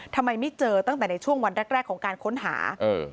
ทำไมไม่เจอตั้งแต่ในช่วงวันแรกแรกของการค้นหาเออ